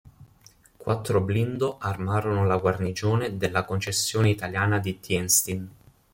Quattro blindo armarono la guarnigione della Concessione italiana di Tientsin.